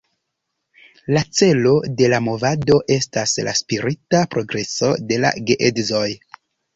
La celo de la movado estas la spirita progreso de la geedzoj.